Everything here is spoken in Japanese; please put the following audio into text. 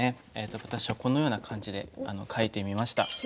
私はこのような感じで書いてみました。